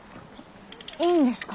いいんですか？